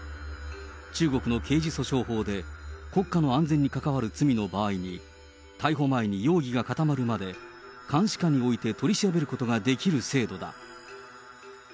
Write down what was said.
中国の刑事訴訟法で国家の安全に関わる罪の場合に、逮捕前に容疑が固まるまで、監視下に置いて取り調べることができる制度だ。